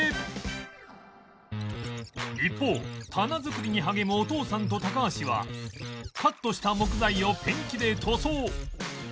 一方棚作りに励むお父さんと高橋はカットした木材をペンキで塗装